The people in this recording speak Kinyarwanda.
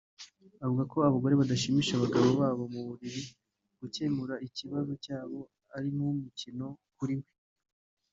avuga ko abagore badashimisha abagabo babo mu buriri gukemura ikibazo cy’abo ari nk’umukino kuri we